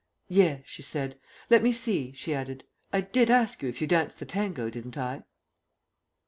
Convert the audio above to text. "Yes," she said. "Let me see," she added, "I did ask you if you danced the tango, didn't I?"